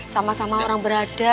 sama sama orang berada